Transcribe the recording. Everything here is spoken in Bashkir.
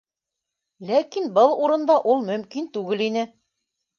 Ләкин был урында ул мөмкин түгел ине.